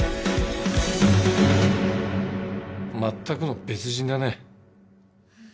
全くの別人だね。